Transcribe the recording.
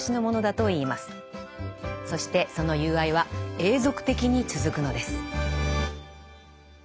そしてその友愛は永続的に続くのです。